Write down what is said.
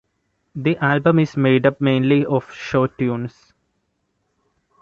The album is made up mainly of show tunes.